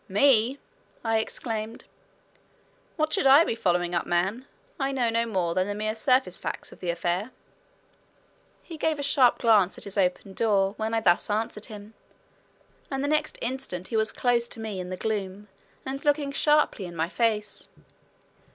"Me!" I exclaimed. "What should I be following up, man? I know no more than the mere surface facts of the affair." He gave a sharp glance at his open door when I thus answered him, and the next instant he was close to me in the gloom and looking sharply in my face.